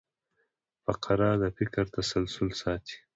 فقره د فکر تسلسل ساتي.